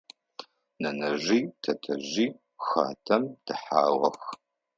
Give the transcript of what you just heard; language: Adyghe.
Нэнэжъи тэтэжъи хатэм дэхьагъэх.